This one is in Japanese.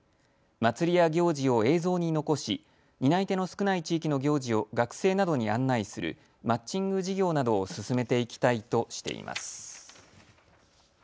祭りや行事を映像に残し担い手の少ない地域の行事を学生などに案内するマッチング事業などを進めていきたいとしています。